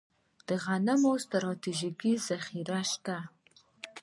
د غنمو ستراتیژیکې ذخیرې شته